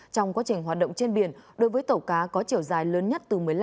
trong quá trình hoạt động trên biển đối với tàu cá có chiều dài lớn nhất từ một mươi năm